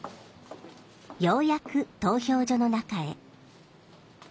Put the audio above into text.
ようやく投票所の中へ。